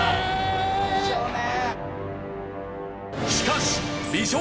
美少年！